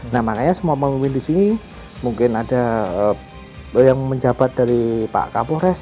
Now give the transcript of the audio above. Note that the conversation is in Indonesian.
nah makanya semua pemimpin di sini mungkin ada yang menjabat dari pak kapolres